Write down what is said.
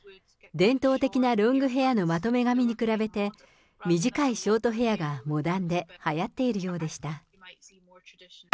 伝統的なロングヘアのまとめ髪に比べて、短いショートヘアがモダンで、はやっているようでした。